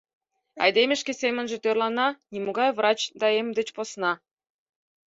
Айдеме шке семынже тӧрлана, нимогай врач да эм деч посна.